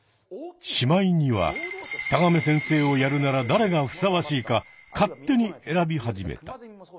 しまいにはタガメ先生をやるならだれがふさわしいか勝手に選び始めた。